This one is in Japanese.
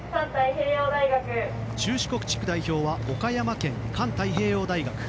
中四国地区代表は岡山県環太平洋大学。